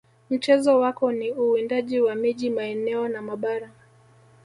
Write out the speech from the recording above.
Mchezo wako ni uwindaji wa miji maeneo na mabara